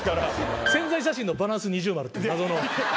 「宣材写真のバランス二重丸」って謎の。